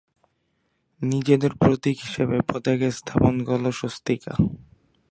নিজেদের প্রতীক হিসেবে পতাকায় স্থাপন করলো স্বস্তিকা।